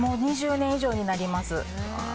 ２０年以上になります。